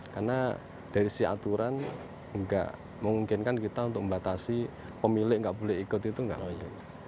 karena dari si aturan nggak memungkinkan kita untuk membatasi pemilik nggak boleh ikut itu nggak ada